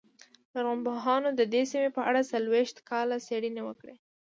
لرغونپوهانو د دې سیمې په اړه څلوېښت کاله څېړنه وکړه